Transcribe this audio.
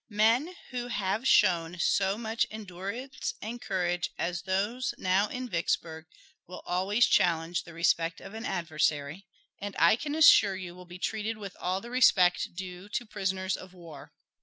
Men who have shown so much endurance and courage as those now in Vicksburg will always challenge the respect of an adversary, and I can assure you will be treated with all the respect due to prisoners of war.